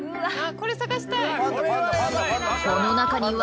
これ探したい。